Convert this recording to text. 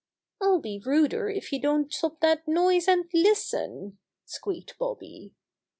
"ril be ruder if you don't stop that noise and listen!" squeaked Bobby.